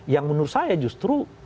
yang menurut saya justru